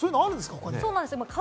他に。